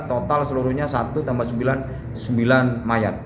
total seluruhnya satu tambah sembilan mayat